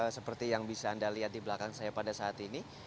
seperti yang bisa anda lihat di belakang saya pada saat ini